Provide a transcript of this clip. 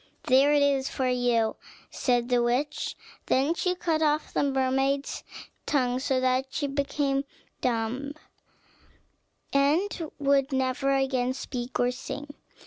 "There it is for you," said the witch. Then she cut off the mermaid's tongue, so that she became dumb, and would never again speak or sing.